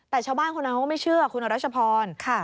แต่ชาวบ้านคนนั้นเขาก็ไม่เชื่อคุณรัชพร